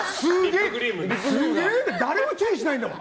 誰も注意しないんだもん。